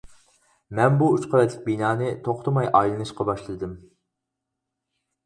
مەن بۇ ئۈچ قەۋەتلىك بىنانى توختىماي ئايلىنىشقا باشلىدىم.